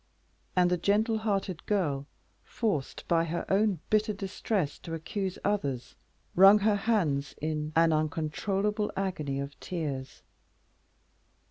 And the gentle hearted girl, forced, by her own bitter distress to accuse others, wrung her hands in an uncontrollable agony of tears.